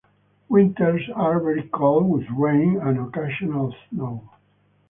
Winters are very cold with rain and occasional snow.